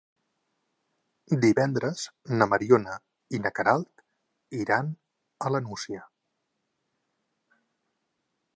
Divendres na Mariona i na Queralt iran a la Nucia.